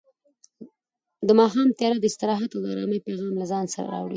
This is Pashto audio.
د ماښام تیاره د استراحت او ارامۍ پیغام له ځان سره راوړي.